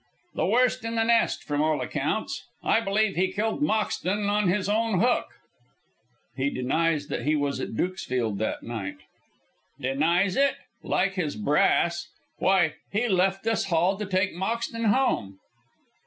"The worst in the nest, from all accounts. I believe he killed Moxton on his own hook." "He denies that he was at Dukesfield on that night." "Denies it? Like his brass. Why, he left this hall to take Moxton home."